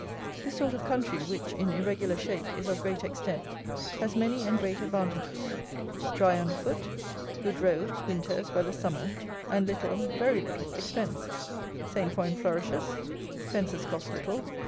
This sort of country, which, in irregular shape, is of great extent, has many and great advantages. Dry under foot. Good roads, winter as well as summer, and little, very little, expense. Saint foin flourishes. Fences cost little.